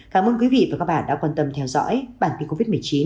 cảm ơn quý vị và các bạn đã quan tâm theo dõi bản tin covid một mươi chín